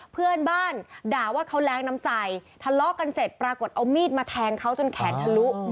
เพื่อนบ้านด่าว่าเขาแรงน้ำใจทะเลาะกันเสร็จปรากฏเอามีดมาแทงเขาจนแขนทะลุ